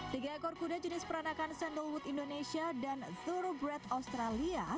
tiga ekor kuda jenis peranakan sandalwood indonesia dan torograd australia